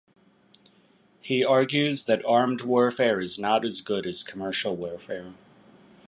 He argues that "armed warfare" is not as good as "commercial warfare".